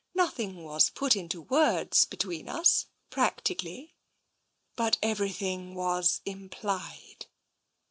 Nothing was put into words between us, practically — but everything was implied."